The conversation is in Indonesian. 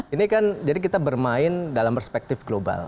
ini kan jadi kita bermain dalam berseputar